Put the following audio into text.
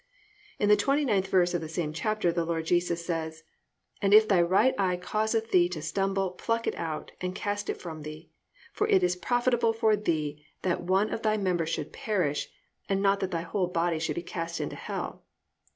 "+ In the 29th verse of the same chapter the Lord Jesus says: +"And if thy right eye causeth thee to stumble pluck it out, and cast it from thee; for it is profitable for thee that one of thy members should perish, and not that thy whole body should be cast into hell."